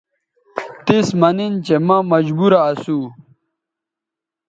تِس مہ نِن چہءمہ مجبورہ اسُو